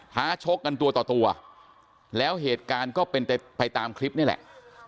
้าชกกันตัวต่อตัวแล้วเหตุการณ์ก็เป็นไปตามคลิปนี่แหละ